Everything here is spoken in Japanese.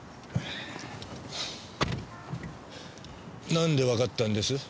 なんでわかったんです？